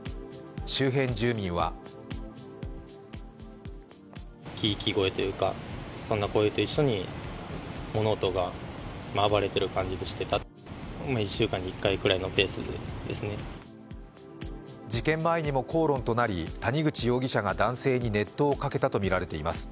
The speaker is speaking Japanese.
周辺住民は事件前にも口論となり、谷口容疑者が男性に熱湯をかけたとみられています。